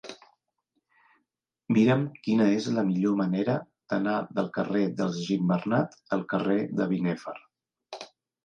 Mira'm quina és la millor manera d'anar del carrer dels Gimbernat al carrer de Binèfar.